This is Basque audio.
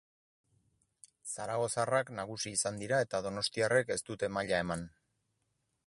Zaragozarrak nagusi izan dira eta donostiarrek ez dute maila eman.